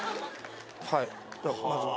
はいではまず。